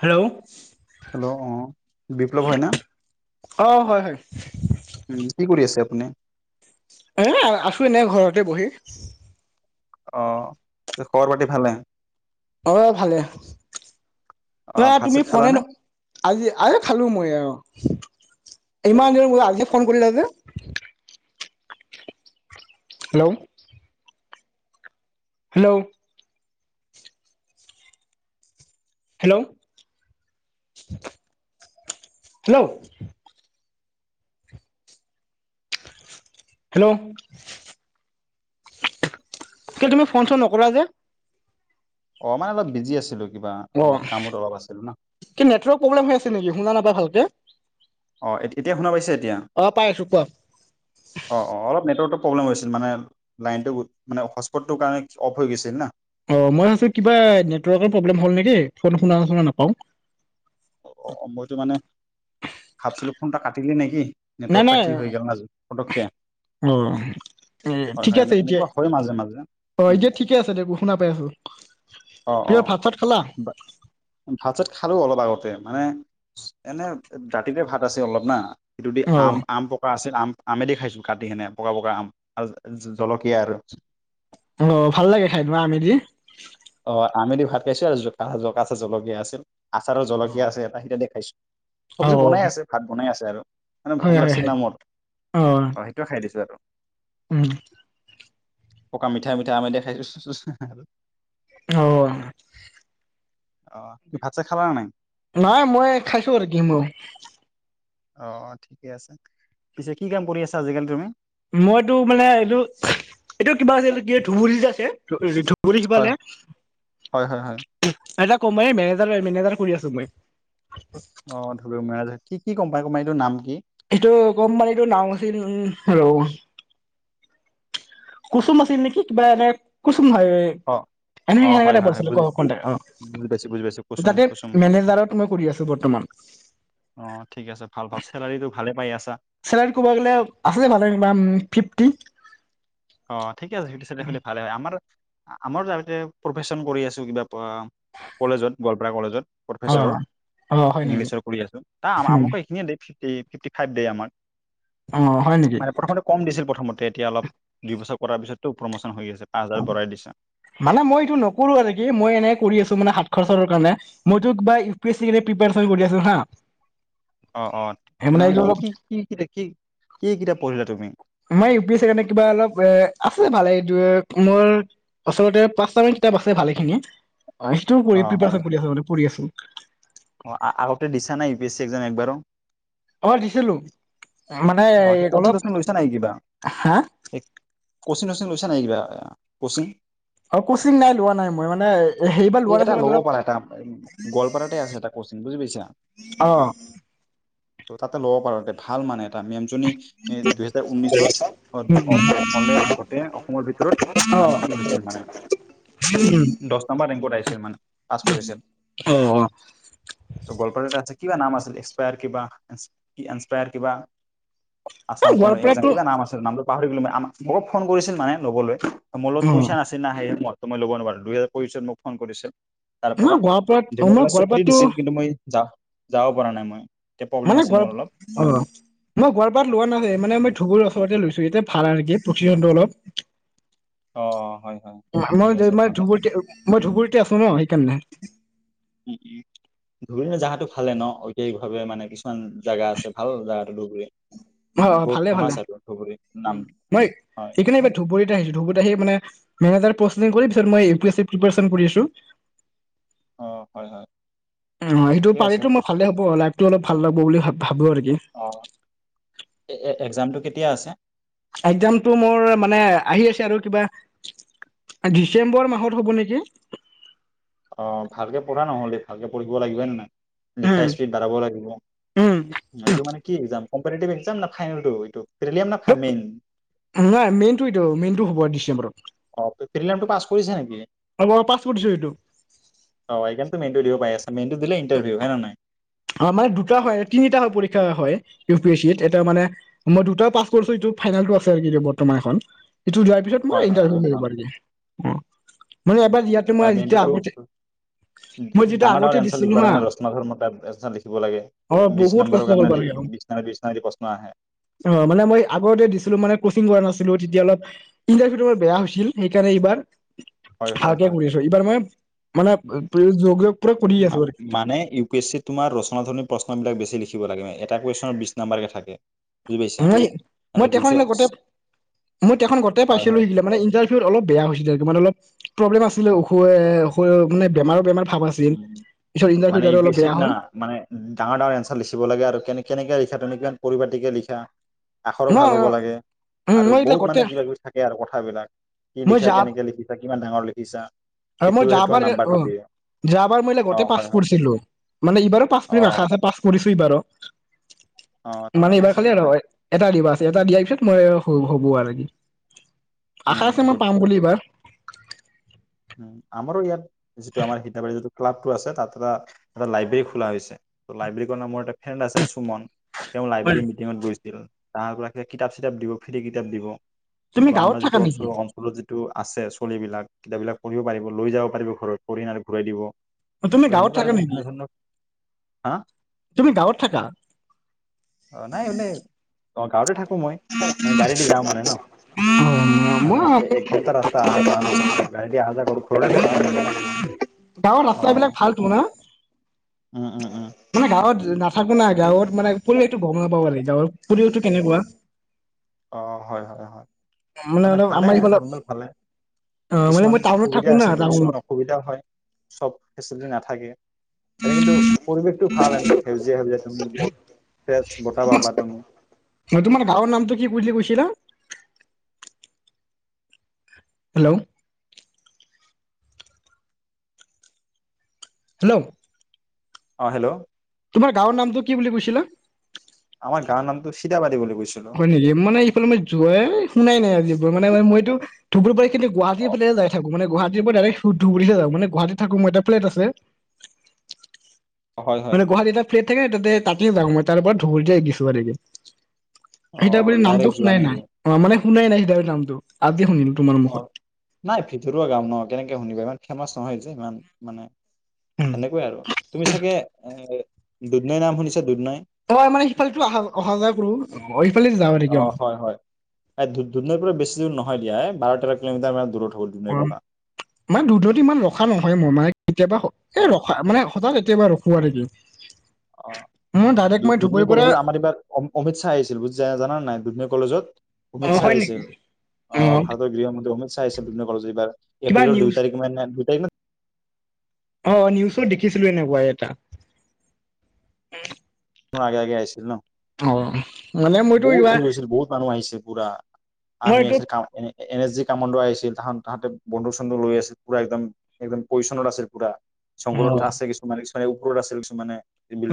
Hello. Hello অ বিপ্লৱ হয় না অহ' হয় হয়। উম কি কৰি আছে আপুনি? এ আছো এনে ঘৰতে বহি। অহ' খবৰ পাতি ভালে? অহ' ভালে। অ পুৰা ভাত তুমি চাত ফনে খালানে ন। আজি আই খালো মই আৰু। ইমান দিনৰ মূৰত আজি ফোন কৰিলে যে। Hello. Hello. Hello hello. Hello. কিয় তুমি ফোন চোন নকৰা যে। অহ' মানে অলপ বিজি আছিলোঁ। অহ' কি নেটৱৰ্ক প্ৰব্লেম হৈ আছে নেকি? শুনা নাপায় ভালকে। অহ' এতিয়া শুনা পাইছে, এতিয়া। অ পাই আছো কোৱা অহ, অহ, অলপ নেটৱৰ্কটো প্ৰব্লেম হৈছিল মানে লাইনটো মানে হচ্পটটোৰ কাৰণে অফ হৈ গৈছিল না। অহ' মই ভাবছো কিবা নেটৱৰ্কৰ প্ৰব্লেম হ'ল নেকি, ফোন শুনা, শুনা নাপাওঁ। অহ' মইতো মানে ভাবিছিলোঁ ফোনটা কাটিলি নেকি, নেটৱৰ্কটা কি হৈ গ'ল নাজনো পটককে। অহ'। এ হয় ঠিক হয় এনে আছে এতিয়া। এনেকুৱা হয় মাজে মাজে অহ, উম এতিয়া ঠিকে আছে দে শুনা পাই আছোঁ। অ প্ৰিয় ভাত অ চাত খালা ভাত চাত খালো অলপ আগতে মানে এনে ৰাতিতে ভাত আছে অলপ না সটো দি অ আম আম পকা আছে আম আমেদি খাইছো কাটি কিনে পকা পকা আম আৰু জলকীয়া আৰু অ ভাল লাগে খাই তোমা আমিজি অ আমেদি ভাত খাইছো আৰু জচ জলকীয়া আছিল আচাৰৰ অ জলকীয়া আছে এটা সেইটা দেখাইছো চব্জি বনাই আছে ভাত বনাই আছে আৰু মানে হয় ভোক হয় লাগিছে হয় নামত অ সেইটোোৱে খাই দিছো আৰু উম'। পকা মিঠাই মিঠাই আমেই দি খাইছোঁ। অহ'। অহ' ভাত চাত খালা নে নাই? নাই মই খাইছোঁ আৰু কি মোৰ। অহ' ঠিকে আছে। পিছে কি কাম কৰি আছা আজিকালি তুমি? মইটো মানে এইটো, এইটো কিবা আছিল এই কি ধুবুৰীত আছে। ধুবুৰীৰ হয় সিফালে। হয় হয় হয় এটা কমেই মেনেজাৰ, মেনেজাৰ কৰি আছোঁ মই। অ ধবমৰাজ কি গম পাই কোমাই এইটো নাম কি এইটো কোম্পানীটোৰ নও আছিল উম ৰব কুচুম আছিল নেকি কিবা এনে কুচুম হয় অ এনেে অ', সনেকা হয়, হয়, টাইপৰ হয়, আছিলে ক বুজি কোনাই অ বুজি পাইছোঁ, বুজি পাইছোঁ, কুসুম, তাতে কুসুম। মেনেজাৰত মই কৰি আছো বৰ্তমান অ ঠিক আছে ভাল ভাল চেলাৰী টো ভালে পাই আছে চেলাৰী ক'ব গ'লে আছে যে ভালে ফিফটি অ ঠিক আছে সেইটো চ হলে ভাল হয় আমাৰ আমাৰ যতে প্ৰফেচন কৰি আছো কিবা কলেজত গোৱালপাৰা কলেজত অ প্ৰফেচাৰৰ অ হয় নেকি ইংলিছৰ কৰি আছো ত উম, আমকো এইখিনিয়ে ফিফটি ফাইভ দ আমাৰ অ হয় নেকি মানে প্ৰথমতে কম দিছিল প্ৰথমতে এতিয়া অলপ দুই বছৰ কৰাৰ পিছতো প্ৰম মানে মই এইটো নকৰো আৰু কি মই এনেই কৰি আছো মানে সাতশৰ চৰ মই বা ইউি এছ প্ৰ কৰি আছো হা অ অ মানে তেনেহলে এইটো কি অলপ কি কি কিিত কি কি কিতাপ পঢ়িলা তুমি মাৰ ইউ পি এছ কাৰণে কিবা অলপ এ আছে ভালে এইটো মোৰ আচলতে পাঁচটা মিনিট বাছে ভালে খিনিয় অ সেইটোও কৰি অ', হয়, প্ৰপন হয়, কৰি আ আছো অ আউট দিছা নাই U P S C exam একবাৰো অ দিছিলো মানে অ', কি অলপ ক'চিং-টচিং লৈছা হা কচিিন চিন লৈছা নে কিবা কচিং অ কচিং নাই লোৱা নাই মই মানে সেইবাৰ এই লোৱা এটা নাছিলো মানে ল'ব অলপ পাৰা এটা গোৱালপাৰাতে আছে এটা কোচিন বুজি পাইছা। অ ত তাতে ল'ব পাৰো ভাল মানে। মিমজনী দুহেজাৰ ঊনশত অলে গোটে অসমৰ ভিতৰত। অ। দস নাম্বাৰ। গল্প। কিবা নাম আছিলসাৰ কিবা এায়াৰ কিবা। অ আাম কাম গোৱালপাৰাতো কিবা নাম আছিল নামটো পাহৰি গলো মোক ফোন কৰিছিল মানে ল'বলৈ। মলত অ পইচাছিলা সেই সময়তো মই ল'ব নোৱাৰো দুহজাৰৈশছত মোক ফোন কৰিছে। তাৰ ন পৰা গোৱালপাৰাত মই ধিমকেলা চক গোৱালপাৰাতো দিছিল কিন্তু মই যা যাব পৰা নাই মই। এতিয়া প্ৰব্লেম মানে আছিল গৰ অ মোৰ অলপ মই গৰপাত লোৱা নাছিল মানে মই ধুবুৰ আছো। লৈছো এতিয়া ভাল আৰুক প্ৰতি অলপ। অ হয় হয় ঠিক আছে মই ভালে ধুবুৰত মই ধুবুৰীত আছো ন। কেনে। উম উম। ধুবুৰি ন জাগহটো ভালে ন ঐতিহাসিক ভাবে মানে কিছুমান জেগা আছে ভাল জেগাটো ধুবুৰি বহুত ফেমছ আৰু উ নামটো মই হয় সেইকাৰিনে এইবাৰ ধুবুৰীত আহিছো ধুবুৰীত আহি মানে মেনেজাৰ। পোষ্টিং কৰি মই U P S C preparation কৰি আছো অ হয় হয়। অ সেইটো ঠিক আছে পাৰো মই ভালে হ'ব লাইফতটো অলপ ভাল লাগব বুলি ভ ভাবো আৰু। কি অ এক্জামটো কেতিয়া আছে। একজামতটো মোৰ মানে আহি আছে আৰু কিবা। ডিচেম্বৰ মাহত হ'ব নেকি। অ ভালকে পঢ়া নহ'লে দেই ভালকে পঢ়িব লাগিবে নাই। লিখা উম স্পীড বাঢ়াব লাগিব উম এইটো মানে কি এক্জাম। এক ন ফাইনেল মেইন। নাই মেইনটোটো মেইনতটো হ'ব ডিচেম্বৰত। অ ফৰিিলামটো পাছ কৰিছে নেকি। অ মই পাছ কৰিছো এইটো অ এইকাৰো মেইনটো পাই আছছে মেইনটো দিলে ইণ্টাৰভিউ হে ন নাই। মানে দুটা হয় তিনিটা হয় পৰীক্ষা হয় ইউ পি এছ চত এটা মানে মই দুটা পাছ কৰিছো এইটো। ফাইনেলত আছে বৰ্তমান এখন সটো যোৱাৰ পিছত মই হয়, হয়, ইটাৰভিউ হয়, ভাল। লাগিব। উম, মানে উম। এবাৰ ইয়াতে তাৰ মই যেতিয়া মেইনটোতো আগতে। মই যেতিয়া ডাঙৰ আগতে ডাঙৰ এঞ্চাৰ দিছিলো লিখব হা লাগে দহ মাৰ্কৰ [unintelligible] লিখিব লাগে অ বিশ বহুত কষ্ট নম্বৰৰ কৰিব কাৰণে লাগে বিশ বিশ যদি প্ৰশ্ন আহে। অ মানে মই আগতে দিছিলো মানে কচিং কৰা নাছিলো। তেতিয়া অলপ ইণ্টাৰভিউটো অলপ বেয়া হৈছিল সেইকাৰণে এইবাৰ। হয়, হয়, ভালকে হয়। কৰি আছো এইবাৰ মই মানে প্ৰ য। মানে ইউ পি এছ চি তোমাৰ ৰ। সনাধন প্ৰশ্নিলাক বেছি লিখিব লাগে এ কুৱেশ্যনৰ বিছ নামবাৰ কে থাকে। বুজি পাইছা? মই মানে মই দেখ দুইশ গোটেই। মই তেখন গোটই হয়, পাইছিলো হয়, শিকিলা মানে ইন্টাৰভিউত অলপ বেয়া হৈছিলে মানে অলপ প্ৰব্লেম আছিলে অ', উখ। মানে বেমাৰো বেমাৰ। ভাৱ আছিল উ পিছত ইণ্টাৰভিউ মানে ইউ দাটো পি অলপ এছ বেয়া চিত না হ'ল মানে ডাঙৰ ডাঙৰ এনঞ্চাৰ লিখিব লাগে আৰু কেনে কেনেকে। শিক্ষটোনিকমান পৰিপাটিকে লিখা আখৰো ন ভাল হ'ব লাগে। উম আৰু মই এইগিলা বহুত গোটেই মানে কিবা কিবি থাকে আৰু কথাবিলাক কি মই লিখা কেনেকে লিখিছা কিমান ডাঙৰ লিখিছা। আৰু সেইটো মই সেইটোৰ যাবাৰ নাম্বাৰটো অ। দিয়ে যাবাৰ মই অ আগতে পাছ হয় হয় কৰিছিলো মানে এইবাৰো পাছ অ কৰিম আাখা আছে পাছ কৰিছো এইবাৰো। অ মানে ঠিকে এইবাৰ আছে খালি আৰু ভালে হয়। দিবা এটা দিয়াৰ পিছত মই হ'ব আৰু কি। আশা উম আছে ক মই উম পাম বুলি এইবাৰ আমাৰ ইয়াত যিটো আমাৰ সিধাবাৰী যিটো ক্লাবটো আছে তাত এটা এটা লাইব্ৰেৰী খোলা হৈছে লাইব্ৰেৰী কাৰ নামৰ এটা ফ্ৰেণ্ড আছে সুমন তেওঁ লাইব্ৰেৰী মিটিঙত গৈছিল তাহাৰপৰা কিতাপ চিতাপ দিব ফ্ৰী কিতাপ দিব তুমি গাঁৱত থাক অঞ্চলৰ য টো আছে চলিবিলাক কিতাব বিলাক পঢ়িব পাৰিব লৈ যাব পাৰিব ঘৰত পঢ়ি ন আৰু ঘূৰাই দিব তুমি ত' গাঁৱত সেনেকুৱা আৰু থাকা বিভিন্ন নেকি ধৰণৰ হা তুমি গাঁৱত থাকা অ নাই অ গাঁৱতে থাকো মই মানে গাড়ী দি যাওঁ মানে ন অ মানে মই এক ঘণ্টা ৰাস্তা অহা যোৱা ন ত গাড় আহ গাঁৱৰ অ ৰাস্তা বিলাক ভালতো না উম উম উম তোমাৰ গাঁৱত নাথাকো নাই গাঁৱত মানে পৰিৱেশটো গম নাপাব লাগে গাঁৱত পৰিয়টো কেনেকুৱা অ হয় হয় হয় মানে অলপ ভালে আমাৰ ইফালৰ নৰ্মেল ভালে কিছুমান সুবিধা আছে তো কিছুমান অসুবিধাও হয় চব ফেচিলিটি নাথাকে এতে কিন্তু পৰিৱেশটো ভাল এনেই সেউজিয়া সেউজীয়া তুমি ফ্ৰেছ বতাহ পাবা তুমি তোমাৰ গাঁৱৰ নামটো কি বুলি কৈছিলা হেল্ল' হেল্ল' অ হেল্ল' তোমাৰ গাঁৱৰ নামটো কি বুলি কৈছিলা আমাৰ গাঁৱৰ নামটো সিধাবাৰী বুলি কৈছিলো হয় নেকি মানে ইফালে মই যোৱাই শুনাই নাই আজি মানে ম মইতো ধুবুৰী কিন্তু অ গুৱাহাটীৰ ফালে যায় থাক মানে গুৱাহাটীৰ পৰা ডাইৰেক্ট ধুবুৰীতে যাওঁ মানে গুৱাহাটীত থাকো মই এটা ফ্লেইট আছে হয় হয় মানে গুৱাহাটীত এটা ফ্লেট থাকে তাতে যাও মই তাৰ ওপৰত ধুবুৰীতে গেছো আৰকি অ সিধাবাৰী নামটো ডাইৰেক্ট যোৱা শুনাই নেকি নাই অ মানে শুনাই নাই সিধাবাৰি নামটো আজি শুনিলোঁ অ নাই ভিতৰুৱা গাও ন কেনেকে শুনিবা ইমান ফেমাচ নহয় যে ইমান মানে উম সেনেকুৱাই আৰু তুমি চাগে এ দুধনৈ নাম শুনিছা দুধনৈ তই মানে সিফালে টো অহা যোৱা কৰো অ সিফালে যাওঁ নেকি অ হয় হয় এই দুধনৈৰ পৰা বেছি দূৰ নহয় দিয়া এ বাৰ তেৰ কিলোমিটাৰ মান দূৰত হ'ব দুধনৈৰ অ পৰা মাৰ দুধনৈত ইমান ৰখা নহয় মান কেতিয়াবা অ এই ৰখা মানে হঠাৎ কেতিয়াবা ৰখো আৰ কি অ দুধনৈ কলেজত আমাৰ এইবাৰ অমিত শ্বাহ আহিছিল বুজ জান নাই দুধনৈ কলেজত অ অমিত শ্বাহ হয় নেকি আহিছিল অ ভাৰতৰ গৃহমন্ত্ৰী অমিত শ্বাহ আহিছিল দুধনৈ কলেজত এইবাৰ কিবা এপ্ৰিলৰ নিউজ দুই তাৰিখ মানেই তাৰিখ ন অ নিউজটো দেখিছিলো এনেকুৱা এটা মোৰ আগে আগে আহিছিল ন‌ অ মানে মইতো বহুত কিবা ভিৰ হৈছিল বহুত মানুহ আহিছে পুৰা মই আৰ্মি এইটো আহিছিল কাম এনে এন এছ জি কামাণ্ডো আহিছিল তাহন তাহাঁতে বন্ধুক চন্ধুক লৈ আছিল পুৰা একদম একদম পইচনত আছিল পুৰা অ জংঘলত আছে কিছুমান কিছুমানে ওপৰত আছে কিছুমানে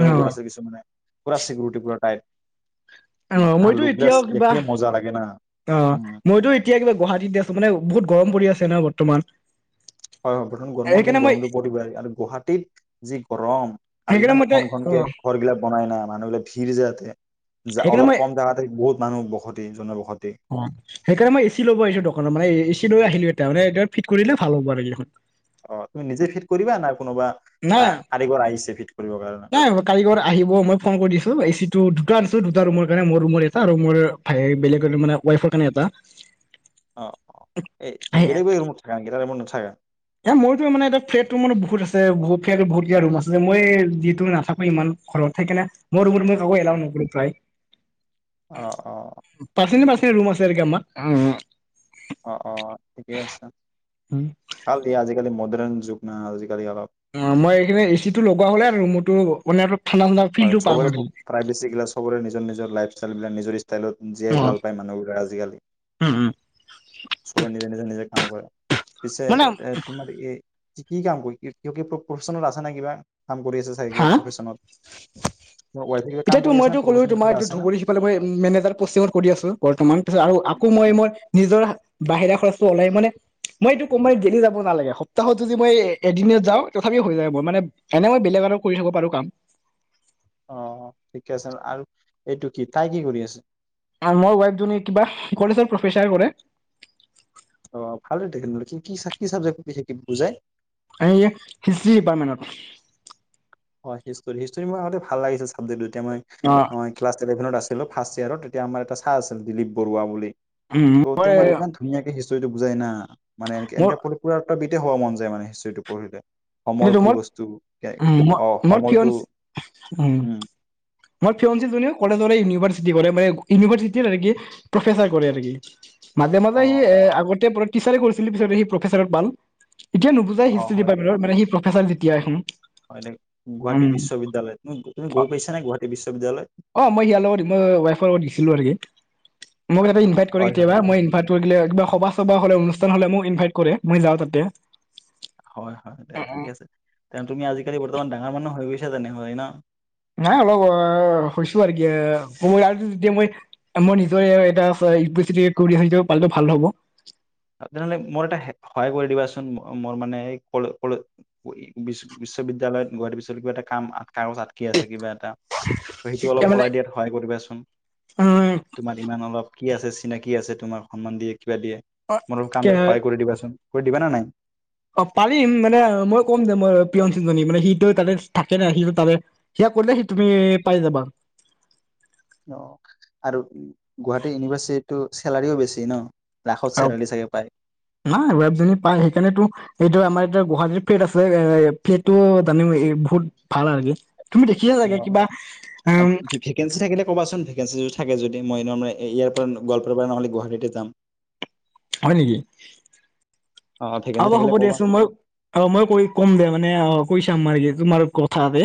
অ ওপৰত আছে কিছুমানে পুৰা চিকোৰুটি পুৰা টাইট আহ আৰু মইতো লোকগিলাচ এতিয়াও কিবা দেখিলে মজা লাগে না অ উম মইতো এতিয়া কিবা গুৱাহাটীত আছোঁ মানে বহুত গৰম পৰি আছে নহয় বৰ্তমান হয় হয় প্ৰথম গৰমৰ দিন সেইকাৰণে মই গৰমটো পৰিব আৰু গুৱাহাটীত যি গৰম আৰু সেইকাৰণে ইমান মই এতিয়া ঘন অ ঘনকে ঘৰ বিলাক বনাই নাই মানুহবিলাক ভিৰ যাতে সেইকাৰণে মই অলপ কম জেগাতে বহুত মানুহ বসতি জন বসতি অ সেইকাৰণে মই এ চি ল'ব আহিছো দোকানত মানে এ চি দৰে আহিলো এ তাৰ মানে এতিয়া আৰু ফিট কৰিলে ভাল হ'ব আৰু দেখন অ তুমি নিজে ফিট কৰিবা ন নাই কৰিবৰ কাৰণে নাই কাৰিকৰ আহিব মই ফোন কৰি দিছো এচি টো দুটা দিছোঁ দুটা ৰুমৰ কাৰণে মোৰ ৰুমৰ এটা আৰু মোৰ ভাই বেলেগৰ মানে ৱাইফৰ কাৰণে এটা অ অ এই আহি বেলেগ বেলেগ ৰুমত থাকা নেকি এটা ৰুমত নথাকা এ মোৰতো মানে এটা ফ্লেট মানে বহুত আছেলে ফ্লেটত বহুত কেইটা ৰুম আছে যে মই যিটো নাথাকো ইমান ঘৰত সেইকাৰণে মোৰ ৰুমত মই কাকো অ এলাও নকৰো প্ৰায় অ অ [unintelligible] অ অ ঠিকে আছে ভাল দিয়া আজিকালি মডাৰ্ণ যুগ নহয় আজিকালি অলপ অ মই এইখিনি এচি টো লগোৱা হলে আৰু ৰুমৰ টো মানে অলপ ঠাণ্ডা ঠাণ্ডা হয় ফিলটো পাম চবৰে আৰু প্ৰাইভেচি গিলা চবৰে নিৰ নিজৰ লাইফষ্টাইল বিলাক নিজ ষ্টাইলত জীয়াই অ ভাল পায় মানুহবোৰা আজিকালি উম উম চবে নিজে নিজে নিজে নাম কৰা পিছে মানে এ তোমাৰ এই কি কাম কৰি ক প্ৰফেশচনত আছে নাই কিবা কাম কৰি আছে চাগ কিবা প্ৰফেচনত হয়। এতিয়ো মইতো কলো তোমাৰ এইটো ধুবুৰীিফালে ম মেনেজাৰ পষ্টিত কৰি আছো বৰ্তমান। আৰু আকৌ মই মোৰ নিজৰ বাহিৰা খৰচটো ওলাই মানে মই এইটো কমাই গেলি যাব নালাগে সপ্তাহত যদি মই এদিনত যাওঁ তথাপি হৈ যায় মই মানে এনে মই বেলেগক কৰি থাকব পাৰো কাম। অ', ঠিকে আছে আৰু এইটো কি তাই কি কৰি আছে? আৰু মোৰ ৱাইফজনী কিবা কলেজৰ প্ৰফেচাৰ কৰে অ ভাল তেখহলে কি কি কি চাবজেক্ পি বুজাই হিষ্ট্ৰী ডিপাৰ্টমেণ্টত হয় হিষ্টৰি হিষ্টৰি মোৰ আগতে ভাল লাগিছিল ছাবজেক্টটো তেতিয়া অ মই ক্লাছ ইলেভেনত আছিলো ললোঁ ফাষ্ট ইয়েৰত তেতিয়া আমাৰ এটা ছাৰ আছিল দিলীপ বৰুৱা বুলি উম ত' মই তেওঁ মানে ইমান ধুনিয়াকে হিষ্ট্ৰী হি বুজাই না মানে এন মোৰ এনেক পুৰা [unintelligible] মন যায় মানে হীষ্টৰিটো পঢ়িলে সমল কি বস্তু, যাই ম মই ফিয়ান, উম, মোৰ ফিয়ান্স জনিও কলেজৰেই ইউ [unintelligible] কৰে মানে ইউনিভাৰ্চিটিৰ প্ৰফেচাৰ কৰে নেকি মাজে অ মাজে সি এ অ আগতে টিচাৰে কৰিছিল পিছতে সি প্ৰফেচাৰত পাল। এতিয়া নুবুজাই অ, হিষ্টৰী হয় দে হয় ডিপাৰ্টমেণ্টত, মানে সি প্ৰফেচাৰ যেতিয়া এখন হয় নে, উম গুৱাহাটী বিশ্ববিদ্যালয়, তুমি গৈ পাইছা নে গুৱাহাটী বিশ্ববিদ্যালয়? অ মই ইয়াৰ লগত দি মই ৱাইফৰ লগত দিছিলো আৰুকি মোক তাতে অ ইনভাইট কৰে হয় হয় কেতিয়াবা হয় মই ইনভাইট কৰিলো সভা চবা হ'লে অনুষ্ঠ তেনেহ'লে মোক ইনভাইট কৰে মই যাওঁ তাতে। হয়, হয়, দে ঠিকে আছে। তে তুমি আজিকালি বৰ্তমান ডাঙৰ মানুহ হৈ গৈছা তেনেহলে ন? নাই অলপ অ হৈছো আৰু কিই যেতিয়া মই মই নিজৰে এটা ইউনিভাৰ্চিটিত কৰি [unintelligible] পালটো ভাল হ'ব। তেনেহলে মোৰ এটা সহায় কৰি দিবাচোন মোৰ মানে বিশ্ববিদ্যালয়ত গুৱাহাটি বিশ্ববিদ্যালয়ত কিবা এটা কিবাটা কাম আটকাো আকি আছে কিবাটা এটা, সেইটো অলপ এতিয়া মানে ওলাই দিয়াত সহায় কৰিবাচোন। উম তোমাৰ ইমান অলপ কি আছে চিনাকি আছে তোমাৰ সন্মান দিয়ে কিবা দিয়ে, মই ত কে কামটোত সহায় কৰি দিবাচোন। কৰি দিবা না নাই? অ পাৰিম মানে মই ক'ম যে মই প্ৰিয়সিজনী মানে সিটো তাতে থাকে নাই সিটো তাৰ কৰিলে সি তুমি পাই যাবা। অ', আৰু গুৱাহাটী ইউনিভাৰ্চিটিততটো চেলাৰিও বেছি ন? লাখত অ চেলাৰি চাগে পায়। নাই ব [unintelligible] পাই সেইকাৰণো এইটো আমাৰ এতিয়া গুৱাহাটীৰ ফেট আছে এ ফেটটো জানিম বহুত ভাল আৰুকি অ', ভেকেঞ্চি থাকিলে কবাচোন ভেকেঞ্চি থাকে যদি মই ইয়াৰ পৰা গোৱালপাৰাৰ পৰা নহলে গুৱাহাটীতে যাম। হয় নেকি? অ', ভেকেঞ্চি হ'ব, থাকিলে হ'ব, ক'বা দিয়াচোন মই অ' মই কৰি ক'ম দে মানে অ' কৈছে তোমাৰ ইয়ে তোমাৰ কথাতে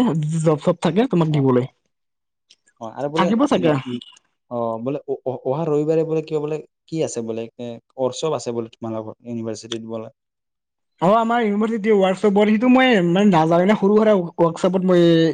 জব চব থাকে তোমাক অ', দিবলৈ। অ', অ', আৰু বোলে থাকিব চাগে উ অ', বোলে অ অহা ৰবিবাৰে বোলে কিয় বোলে কি আছে বোলে এ ৱৰ্কশ্বপ আছে বোলে তোমালোকৰ ইউনিভাৰ্চিটিত বোলে। অ', আমাৰ ইউনিভাৰ্চিটি ৱৰ্কশ্বপৰ সেইটো মই ইমান নাযাওঁ এনে সৰু সুৰা ৱৰ্কশ্বপত মই